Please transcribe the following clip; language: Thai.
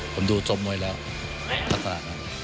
ผมดูจมมวยแล้วทักทะ